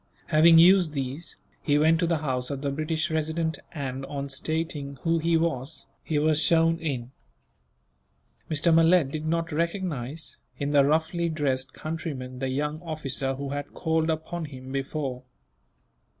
Having used these, he went to the house of the British Resident and, on stating who he was, he was shown in. Mr. Malet did not recognize, in the roughly dressed countryman, the young officer who had called upon him before.